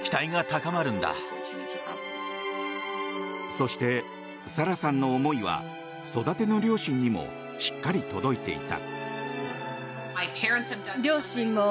そして、サラさんの思いは育ての両親にもしっかり届いていた。